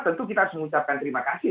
tentu kita harus mengucapkan terima kasih